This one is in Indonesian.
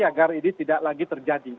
agar ini tidak lagi terjadi